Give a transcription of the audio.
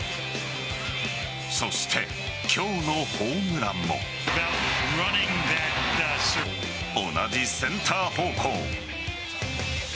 そして、今日のホームランも同じセンター方向。